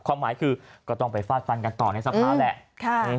ความหมายคือก็ต้องไปฟาดฟันกันก่อนให้สัมภาพแหละ